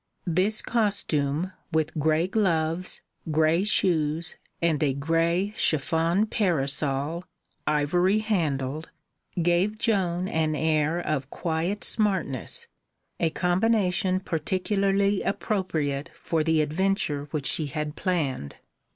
This costume, with grey gloves, grey shoes, and a grey chiffon parasol, ivory handled, gave Joan an air of quiet smartness, a combination particularly appropriate for the adventure which she had planned.